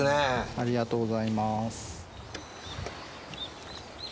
ありがとうございます。